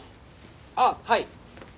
あっはい。